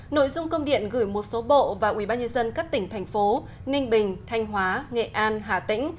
nội dung công điện gửi một số bộ và ủy ban nhân dân các tỉnh thành phố ninh bình thanh hóa nghệ an hà tĩnh